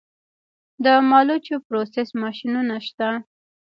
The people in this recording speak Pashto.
د مالوچو پروسس ماشینونه شته